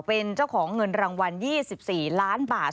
เป็นเจ้าของเงินรางวัล๒๔ล้านบาท